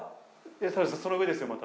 その上ですよ、また。